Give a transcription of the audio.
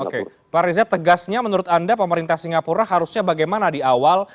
oke pak reza tegasnya menurut anda pemerintah singapura harusnya bagaimana di awal